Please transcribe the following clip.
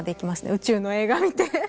宇宙の映画見て。